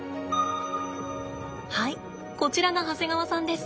はいこちらが長谷川さんです。